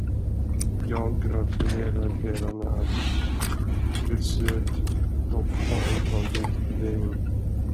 Jag gratulerar herrarna att till slut dock ha intagit Wien.